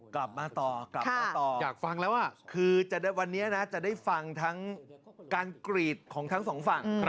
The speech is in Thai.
กลับมาต่ออยากฟังแล้วอ่ะคือวันนี้จะได้ฟังทั้งการกรีดของทั้งสองฝั่ง